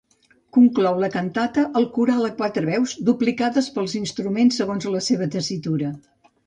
Conclou la cantata el coral a quatre veus, duplicades pels instruments segons la seva tessitura.